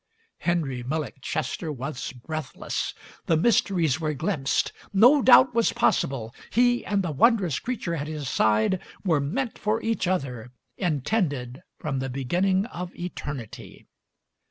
Henry Millick Chester was breathless. The mysteries were glimpsed. No doubt was possible — he and the wondrous creature at his side were meant for each other, intended from the beginning of eternity.